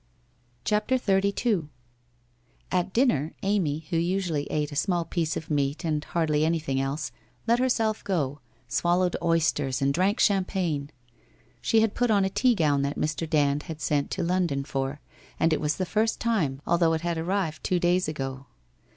CHAPTER XXXII At dinner, Amy, who usually ate a small piece of meat and hardly anything else, let herself go, swallowed oysters and drank champagne. She had put on a tea gown that Mr. Dand had sent to London for, and it was the first time, although it had arrived two days ago.